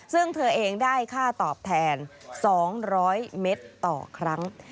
ซึ่งเธอเองได้ค่าตอบแทน๒๐๐เมตรต่อครั้ง